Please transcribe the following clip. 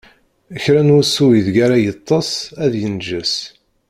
Kra n wusu ideg ara yeṭṭeṣ, ad inǧes.